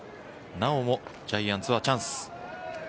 なおもジャイアンツはチャンス。